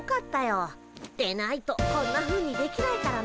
でないとこんなふうにできないからね。